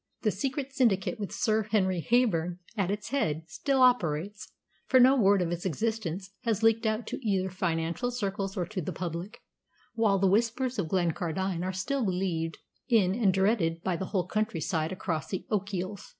The secret syndicate, with Sir Henry Heyburn at its head, still operates, for no word of its existence has leaked out to either financial circles or to the public, while the Whispers of Glencardine are still believed in and dreaded by the whole countryside across the Ochils.